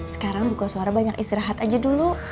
sekarang buka suara banyak istirahat aja dulu